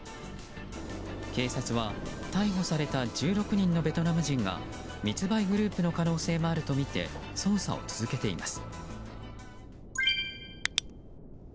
警察は、逮捕された１６人のベトナム人が密売グループの可能性もあるとみて捜査を続けています。